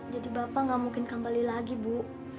jadi bapak gak mungkin kembali lagi bu